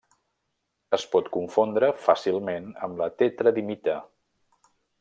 Es pot confondre fàcilment amb la tetradimita.